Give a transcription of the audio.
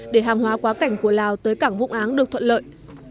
để hàng hóa quá cảnh của lào tới cảng vũng áng được thuận lợi